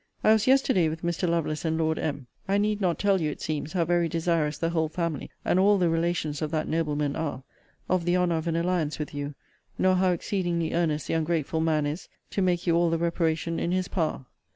I was yesterday with Mr. Lovelace and Lord M. I need not tell you, it seems, how very desirous the whole family and all the relations of that nobleman are of the honour of an alliance with you; nor how exceedingly earnest the ungrateful man is to make you all the reparation in his power.